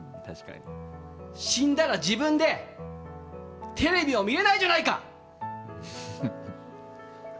死んだら自分でテレビを見れないじゃないか！